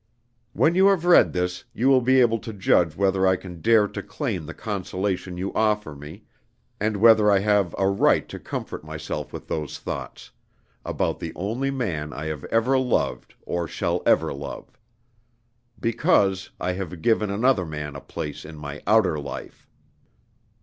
When you have read this, you will be able to judge whether I can dare to claim the consolation you offer me, and whether I have a right to comfort myself with those thoughts, about the only man I have loved or shall ever love. Because, I have given another man a place in my outer life.